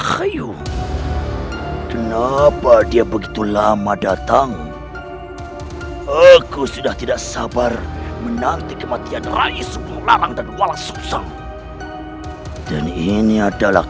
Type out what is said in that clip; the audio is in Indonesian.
sampai jumpa di video selanjutnya